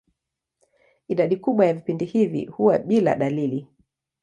Idadi kubwa ya vipindi hivi huwa bila dalili.